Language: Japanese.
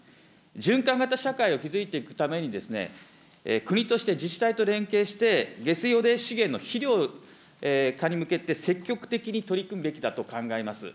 循環型社会を築いていくために、国として自治体と連携して、下水汚泥資源の肥料化に向けて、積極的に取り組むべきだと考えます。